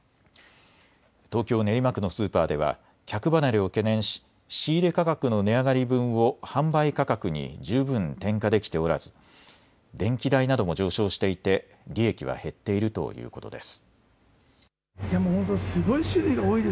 東京練馬区のスーパーでは客離れを懸念し、仕入れ価格の値上がり分を販売価格に十分転嫁できておらず電気代なども上昇していて利益は減っているということです。